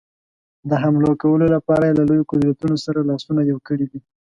د حملو کولو لپاره یې له لویو قدرتونو سره لاسونه یو کړي دي.